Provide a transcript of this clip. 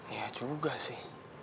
ya juga sih